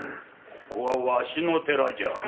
ここはわしの寺じゃ。